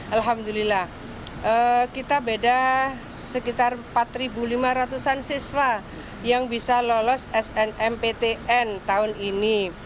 alhamdulillah kita beda sekitar empat lima ratus an siswa yang bisa lolos snmptn tahun ini